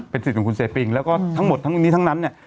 สิทธิ์ของคุณเซปิงแล้วก็ทั้งหมดทั้งนี้ทั้งนั้นเนี่ย